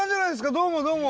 どうもどうも。